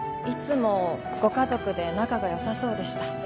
いつもご家族で仲が良さそうでした。